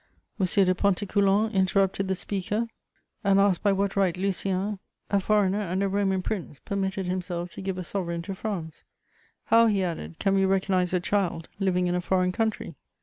M. de Pontécoulant interrupted the speaker, and asked by what right Lucien, a foreigner and a Roman prince, permitted himself to give a sovereign to France: "How," he added, "can we recognise a child living in a foreign country?"